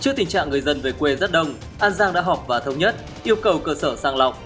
trước tình trạng người dân về quê rất đông an giang đã họp và thống nhất yêu cầu cơ sở sàng lọc